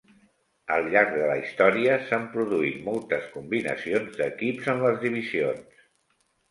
Al llarg de la història s'han produït moltes combinacions d'equips en les divisions.